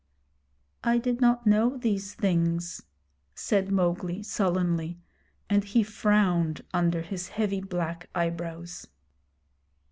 'I did not know these things,' said Mowgli, sullenly; and he frowned under his heavy black eyebrows.